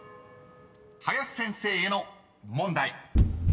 ［林先生への問題］